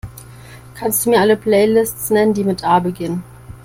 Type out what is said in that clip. Kannst Du mir alle Playlists nennen, die mit A beginnen?